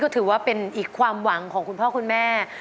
ถือว่าเป็นอีกความหวังของคุณพ่อคุณแม่